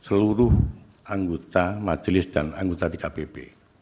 seluruh anggota majelis dan anggota dkpp